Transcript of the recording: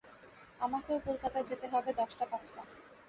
আমাকেও কলকাতায় যেতে হবে–দশটা-পাঁচটা।